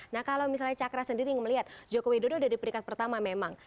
nah kalau misalnya cakra sendiri melihat joko widodo udah di peringkat pertama memang